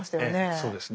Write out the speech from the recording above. そうですね。